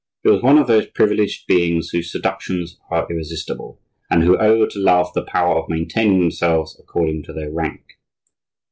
He was one of those privileged beings whose seductions are irresistible, and who owe to love the power of maintaining themselves according to their rank.